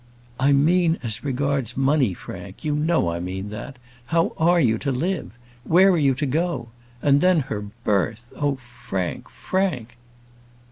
"I mean as regards money, Frank; you know I mean that; how are you to live? Where are you to go? And then, her birth. Oh, Frank, Frank!"